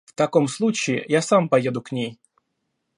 В таком случае я сам пойду к ней.